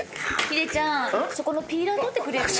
ヒデちゃんそこのピーラー取ってくれる？